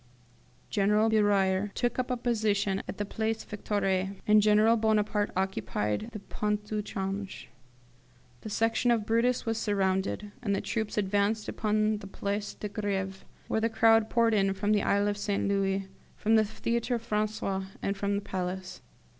General Beruyer took up a position at the Place Victoire, and General Bonaparte occupied the Pont au Change. "The Section of Brutus was surrounded, and the troops advanced upon the Place de Greve, where the crowd poured in from the Isle St. Louis, from the Theatre Francais, and from the Palace.